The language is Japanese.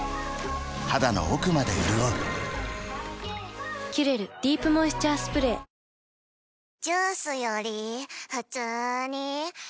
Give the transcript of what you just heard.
肌の奥まで潤う「キュレルディープモイスチャースプレー」あああい‼